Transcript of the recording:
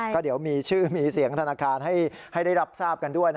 ก็เดี๋ยวมีชื่อมีเสียงธนาคารให้ได้รับทราบกันด้วย